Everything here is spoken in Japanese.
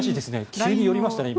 急に寄りましたね、今。